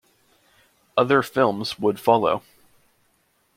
Other films would follow.